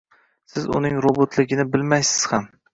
Siz uning robotligini bilmaysiz ham.